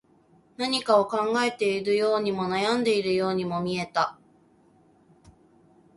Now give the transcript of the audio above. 何かを考えているようにも、悩んでいるようにも見えた